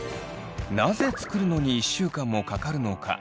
なぜ作るのに１週間もかかるのか。